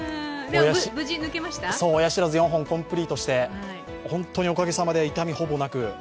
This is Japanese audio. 親知らず、４本コンプリートして本当におかげさまで痛みは、ほぼなく。